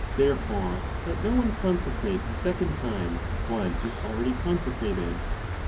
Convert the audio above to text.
Therefore, let no one consecrate a second time what is already consecrated.